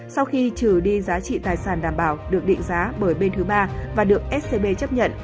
sau khi trừ đi giá trị tài sản đảm bảo được định giá bởi bên thứ ba và được scb chấp nhận